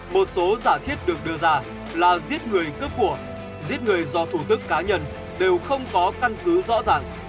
một số giả thiết được đưa ra là giết người cướp của giết người do thủ tức cá nhân đều không có căn cứ rõ ràng